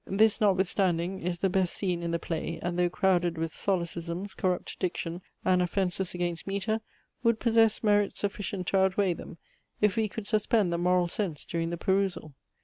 This, notwithstanding, is the best scene in the Play, and though crowded with solecisms, corrupt diction, and offences against metre, would possess merits sufficient to out weigh them, if we could suspend the moral sense during the perusal.